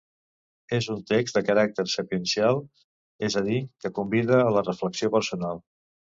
És un text de caràcter sapiencial, és a dir, que convida a la reflexió personal.